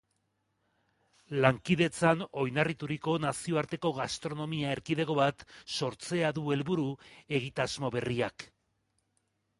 Lankidetzan oinarrituriko nazioarteko gastronomia erkidego bat sortzea du helburu egitasmo berriak.